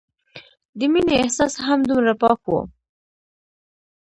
د مينې احساس هم دومره پاک وو